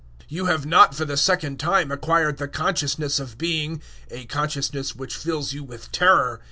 008:015 You have not for the second time acquired the consciousness of being a consciousness which fills you with terror.